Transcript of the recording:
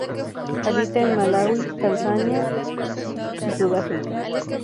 Habita en Malaui, Tanzania y Sudáfrica.